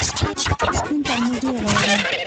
سپین ترموز ډېر غوره دی .